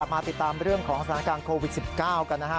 มาติดตามเรื่องของสถานการณ์โควิด๑๙กันนะฮะ